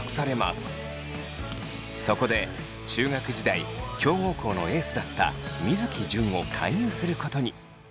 そこで中学時代強豪校のエースだった水城純を勧誘することに。